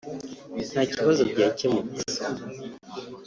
ntakibazo byakemutse